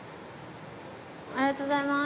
ありがとうございます。